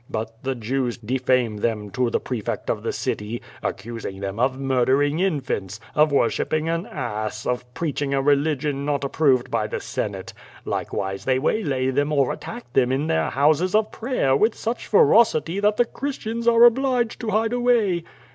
But the Jews defame them to the prefect of the city, accusing them of murdering infants, of worshipping an ass, of preaching a religion not approved by the Senate. Likewise they waylay them or attack them in their houses of prayer with such ferocity that the Christians are obliged to hide away."